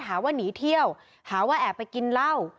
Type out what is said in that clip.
หาว่าหนีเที่ยวหาว่าแอบไปกินเหล้า